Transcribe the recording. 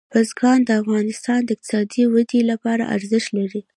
بزګان د افغانستان د اقتصادي ودې لپاره ارزښت لري.